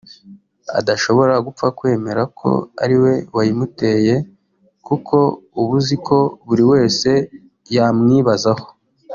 adashobora gupfa kwemera ko ari we wayimuteye kuko uba uzi ko buri wese yamwibazaho